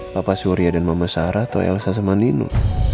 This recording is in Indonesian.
papa surya dan mama sarah atau elsa sama nino